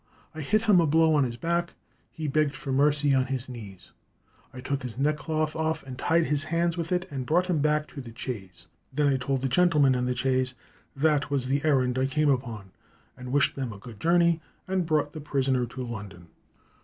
I hit him a blow on his back; he begged for mercy on his knees. I took his neckcloth off and tied his hands with it, and brought him back to the chaise. Then I told the gentlemen in the chaise that was the errand I came upon, and wished them a good journey, and brought the prisoner to London."